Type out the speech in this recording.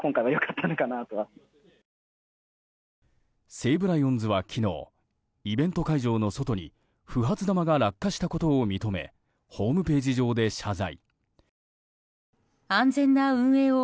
西武ライオンズは昨日、イベント会場の外に不発玉が落下したことを認めホームページ上で謝罪。